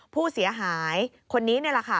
ผู้เสียหายคนนี้นี่แหละค่ะ